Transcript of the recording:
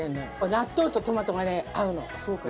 納豆とトマトがね合うのすごく。